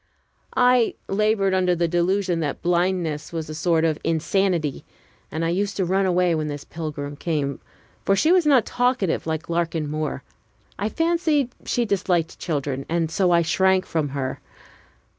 I labored under the delusion that blindness was a sort of insanity, and I used to run away when this pilgrim came, for she was not talkative like Larkin Moore. I fancied she disliked children, and so I shrank from her.